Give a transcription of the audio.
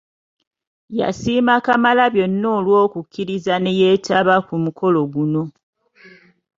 Yasiima Kamalabyonna olw’okukkiriza ne yeetaba ku mukolo guno.